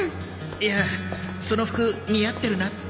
いやその服似合ってるなって。